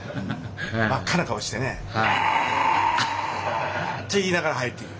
真っ赤な顔してね「う！」って言いながら入ってくの。